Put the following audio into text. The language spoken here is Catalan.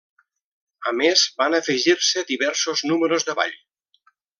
A més van afegir-se diversos números de ball.